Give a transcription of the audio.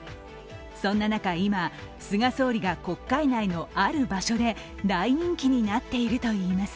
そんな中、今、菅総理が国会内のある場所で大人気になっているといいます。